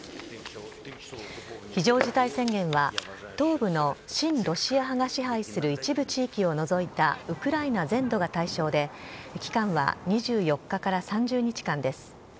非常事態宣言は東部の親ロシア派が支配する一部地域を除いたウクライナ全土が対象で期間は、２４日から３０日間です。